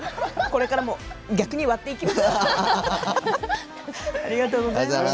これからも逆に割っていきます。